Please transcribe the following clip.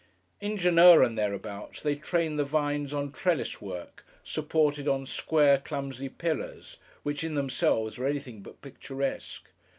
In Genoa, and thereabouts, they train the vines on trellis work, supported on square clumsy pillars, which, in themselves, are anything but picturesque.